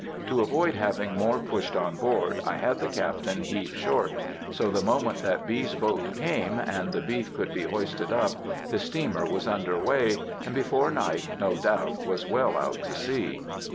To avoid having more pushed on board, I had the Captain heave short; so the moment that B.'s boat came, and the beef could be hoisted up, the steamer was under way, and before night, no doubt, was well out to sea.